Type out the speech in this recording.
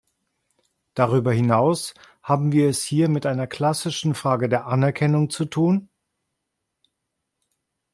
Darüber hinaus haben wir es hier mit einer klassischen Frage der Anerkennung zu tun.